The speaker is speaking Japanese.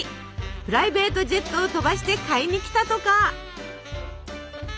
プライベートジェットを飛ばして買いに来たとか。